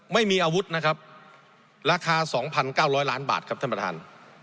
ไม่มีอาวุธนะครับราคา๒๙๐๐ล้านบาทครับท่านประธาน